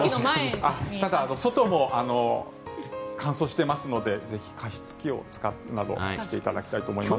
外も乾燥していますのでぜひ加湿器を使うなどしていただきたいと思います。